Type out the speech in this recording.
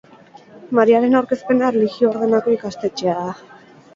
Mariaren Aurkezpena erlijio ordenako ikastetxea da.